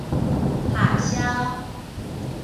下痟